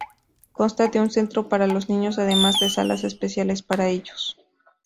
Consta de un centro para los niños además de salas especiales para ellos.